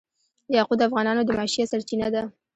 یاقوت د افغانانو د معیشت سرچینه ده.